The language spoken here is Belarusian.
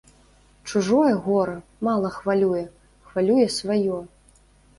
Чужое гора мала хвалюе, хвалюе сваё.